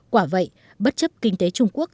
quả vậy bất chấp kinh tế trung quốc